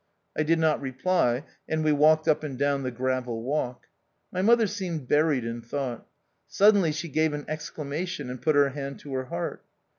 I did not reply, and we walked up and down the gravel walk. My mother seemed buried in thought. Suddenly she gave an exclamation, and put her hand to her heart.